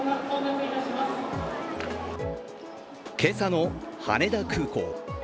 今朝の羽田空港。